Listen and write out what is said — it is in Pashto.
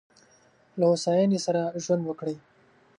له هوساینې سره ژوند وکړئ.